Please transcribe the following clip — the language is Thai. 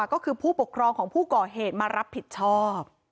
ก็คือผู้ปกครองของผู้ก่อเหตุมารับผิดชอบ